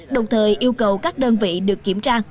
đồng thời yêu cầu các đơn vị được kiểm tra